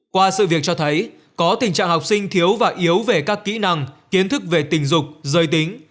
qua sự việc cho thấy có tình trạng học sinh thiếu và yếu về các kỹ năng kiến thức về tình dục giới tính